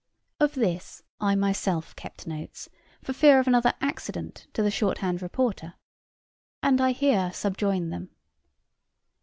Of this I myself kept notes, for fear of another accident to the short hand reporter. And I here subjoin them.